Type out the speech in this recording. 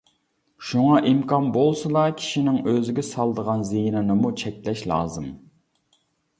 شۇڭا، ئىمكان بولسىلا، كىشىنىڭ ئۆزىگە سالىدىغان زىيىنىنىمۇ چەكلەش لازىم.